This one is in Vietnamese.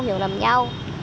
hiểu lầm nhau